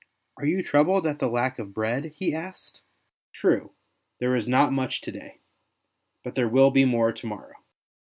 " Are you troubled at the lack of bread ?" he asked; " true, there is not much to day, but there will be more to morrow."